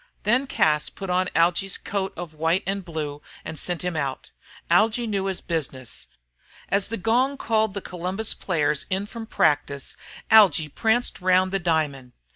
Then Cas put on Algy's coat of white and blue and sent him out. Algy knew his business. As the gong called the Columbus players in from practice, Algy pranced round the diamond.